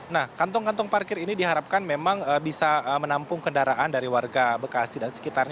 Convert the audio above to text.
nah kantong kantong parkir ini diharapkan memang bisa menampung kendaraan dari warga bekasi dan sekitarnya